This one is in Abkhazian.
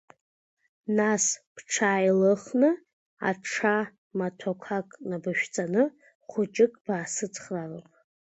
Нас бҽааилыхны, аҽа маҭәақәак набышәҵаны, хәыҷык баасыцхраароуп…